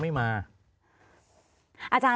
หลายครั้งหลายครั้งหลายครั้ง